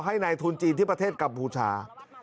ให้นายทุนจีนที่ประเทศกัมพูชา